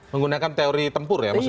menggunakan teori tempur ya